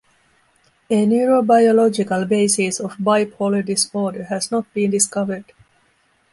A neurobiological basis of bipolar disorder has not been discovered.